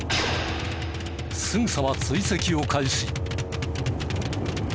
すぐさま追跡を開始。